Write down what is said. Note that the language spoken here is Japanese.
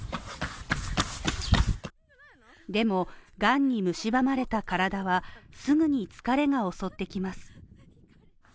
でも、がんにむしばまれた体はすぐに疲れが襲ってきます。